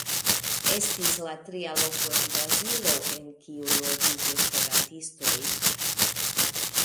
Estis la tria loko en Brazilo en kiu loĝis esperantistoj.